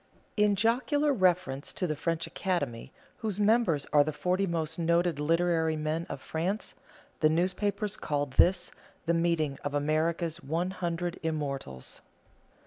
In jocular reference to the French Academy, whose members are the forty most noted literary men of France, the newspapers called this the meeting of America's one hundred immortals.